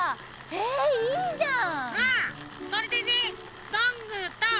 へえいいじゃん！